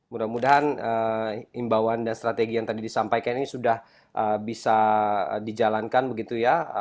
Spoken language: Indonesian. mudah mudahan imbauan dan strategi yang tadi disampaikan ini sudah bisa dijalankan begitu ya